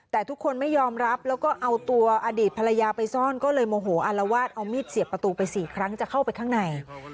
แต่ทุกคนไม่ยอมรับแล้วก็เอาตัวอดีตภรรยาไปซ่อนก็เลยโมโหอารวาสเอามีดเสียบประตูไป๔ครั้งจะเข้าไปข้างใน